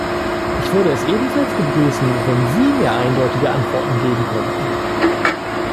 Ich würde es ebenfalls begrüßen, wenn Sie mir eindeutige Antworten geben könnten.